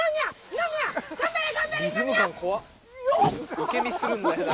受け身するんだよな。